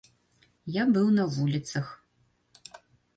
Я быў на вуліцах.